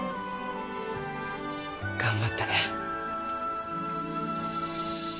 頑張ったね。